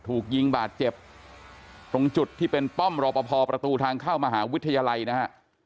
ถูกยิงบาดเจ็บตรงจุดที่เป็นป้อมรอปภประตูทางเข้ามหาวิทยาลัยนะฮะ